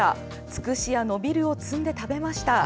つくしやのびるを摘んで食べました。